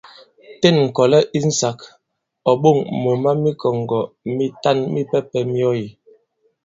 Ten ŋ̀kɔ̀lɛ insāk, ɔ̀ ɓôŋ mǒ ma mikɔ̀ŋgɔ̀ mitan mipɛpɛ̄ mi ɔ yī.